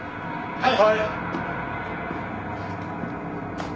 はい！